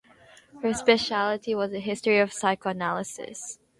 Her speciality was the history of psychoanalysis.